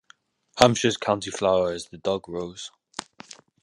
Hampshire's county flower is the Dog Rose.